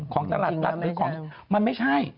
ของตลาดนัดหรือของมันไม่ใช่